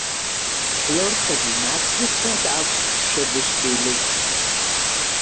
ყლორტები ნაცრისფრად აქვს შებუსვილი.